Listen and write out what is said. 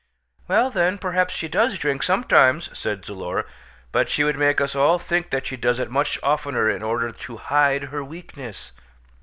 "Well, then, perhaps she does drink sometimes," said Zulora; "but she would make us all think that she does it much oftener in order to hide her weakness."